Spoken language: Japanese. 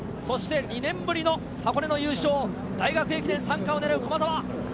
２年ぶりの箱根優勝、大学駅伝３冠を狙う駒澤。